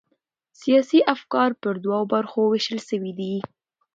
سیاسي افکار پر دوو برخو وېشل سوي دي.